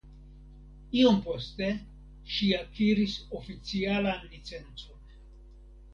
Iom poste ŝi akiris oficialan licencon.